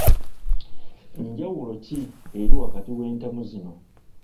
Njawulo ki eri wakati w’entamu zino?